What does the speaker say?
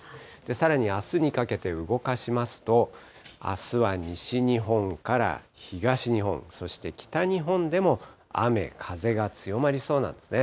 さらにあすにかけて動かしますと、あすは西日本から東日本、そして北日本でも、雨、風が強まりそうなんですね。